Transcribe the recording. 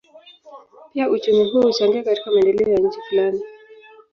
Pia uchumi huo huchangia katika maendeleo ya nchi fulani.